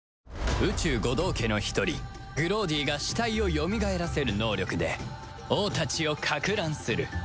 宇蟲五道化の一人グローディが死体をよみがえらせる能力で王たちを攪乱する